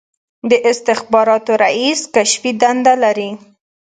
د استخباراتو رییس کشفي دنده لري